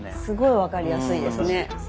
すごい分かりやすいですね。